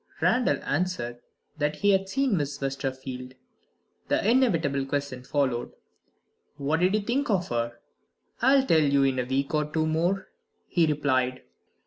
Randal answered that he had seen Miss Westerfield. The inevitable question followed. What did he think of her? "I'll tell you in a week or two more," he replied.